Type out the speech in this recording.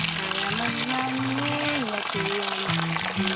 selamat malam ya tuhan